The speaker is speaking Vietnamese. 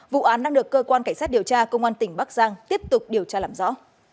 vụ án đang được cơ quan cảnh sát điều tra công an tỉnh bắc giang tiếp tục điều tra làm rõ